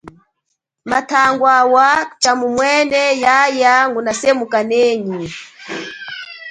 Matangwawa tshamumwene yaya nguna semukanenyi.